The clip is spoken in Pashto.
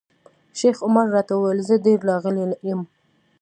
شیخ عمر راته وویل زه ډېر راغلی یم.